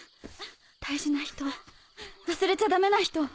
大事な人忘れちゃダメな人。